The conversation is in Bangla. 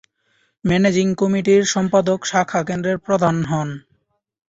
ম্যানেজিং কমিটির সম্পাদক শাখা কেন্দ্রের প্রধান হন।